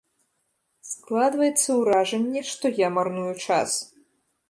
Складваецца ўражанне, што я марную час.